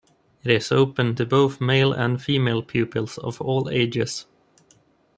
It is open to both male and female pupils of all ages.